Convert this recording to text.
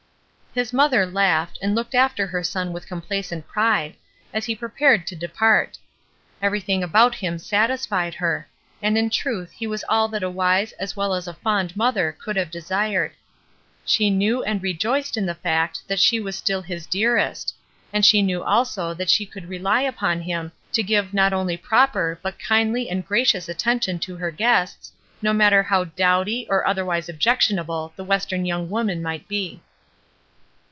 His mother laughed, and looked after her son with complacent pride, as he prepared to de part. Everything about him satisfied her ; and in truth he was all that a wise as well as a fond mother could have desired. She knew and rejoiced in the fact that she was still his ''dear est"; and she knew also that she could rely upon him to give not only proper but kindly and gracious attention to her guests, no matter how ''dowdy" or otherwise objectionable the Western young woman might be.